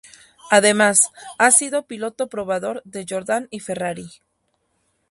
Además, ha sido piloto probador de Jordan y Ferrari.